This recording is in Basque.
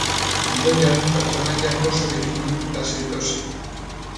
Gidoian, pertsonaiak oso definituta zetozen.